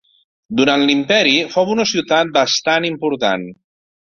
Durant l'imperi fou una ciutat bastant important.